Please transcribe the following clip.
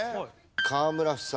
河村夫妻